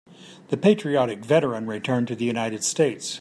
The patriotic veteran returned to the United States.